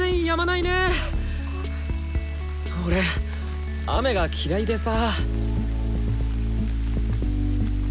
俺雨が嫌いでさ。